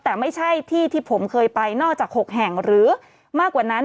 แต่ไม่ใช่ที่ที่ผมเคยไปนอกจาก๖แห่งหรือมากกว่านั้น